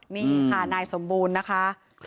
นี่ค่ะนายสมบูรณ์นะคะ